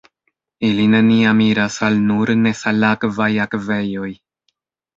Ili neniam iras al nur nesalakvaj akvejoj.